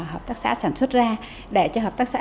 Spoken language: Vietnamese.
hợp tác xã sản xuất ra để cho hợp tác xã